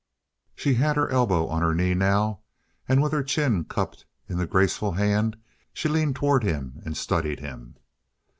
She had her elbow on her knee now, and, with her chin cupped in the graceful hand, she leaned toward him and studied him.